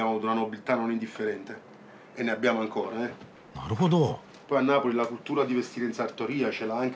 なるほど！